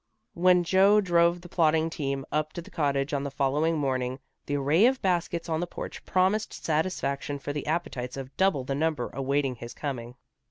When Joe drove the plodding team up to the cottage on the following morning, the array of baskets on the porch promised satisfaction for the appetites of double the number awaiting his coming.